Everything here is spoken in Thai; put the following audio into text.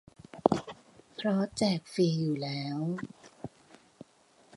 เพราะแจกฟรีอยู่แล้ว